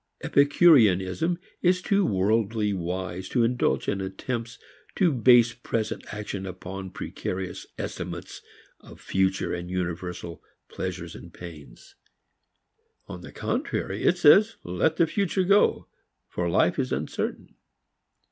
Epicureanism is too worldly wise to indulge in attempts to base present action upon precarious estimates of future and universal pleasures and pains. On the contrary it says let the future go, for life is uncertain.